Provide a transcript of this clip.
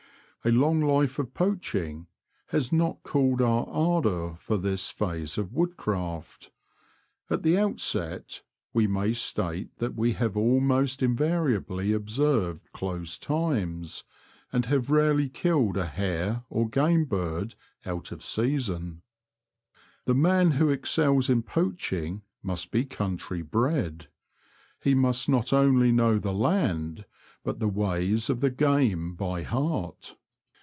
A long life of poaching has not cooled our ardour for this phase of woodcraft. At the out set we may state that we have almost invariably observed close times, and have rarely killed a hare or game bird out of season. The man w^ho excels in poaching must be country bred. He must not only know the land, but the ways of the game by heart.